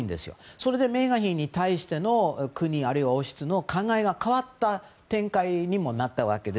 それでメーガン妃に対しての国、あるいは王室の考えが変わった展開にもなったので。